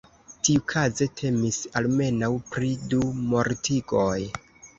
Tiukaze temis almenaŭ pri du mortigoj.